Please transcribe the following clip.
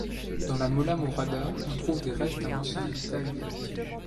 Dans la Mola Murada, on trouve des restes d'un ancien habitat ibérique.